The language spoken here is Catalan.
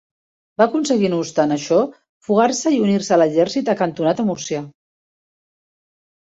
Va aconseguir no obstant això fugar-se i unir-se a l'exèrcit acantonat a Múrcia.